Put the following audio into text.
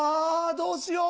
どうしよう！